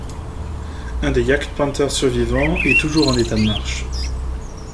Un des Jagdpanther survivants est toujours en état de marche.